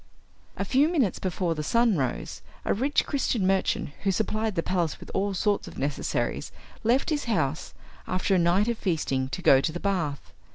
A few minutes before the sun rose, a rich Christian merchant, who supplied the palace with all sorts of necessaries, left his house, after a night of feasting, to go to the bath.